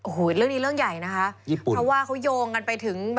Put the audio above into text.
โอ้โหเรื่องนี้เรื่องใหญ่นะคะเพราะว่าเขาโยงกันไปถึง